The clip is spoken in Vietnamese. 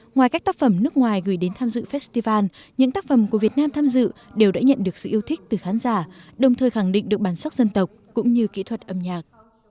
ngoài các tác phẩm nước ngoài gửi đến tham dự festival những tác phẩm của việt nam tham dự đều đã nhận được sự yêu thích từ khán giả đồng thời khẳng định được bản sắc dân tộc cũng như kỹ thuật âm nhạc